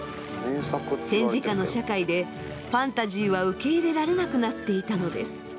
戦時下の社会でファンタジーは受け入れられなくなっていたのです。